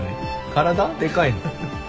体でかいの？